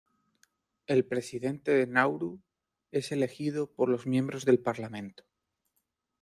El Presidente de Nauru es elegido por los miembros del Parlamento.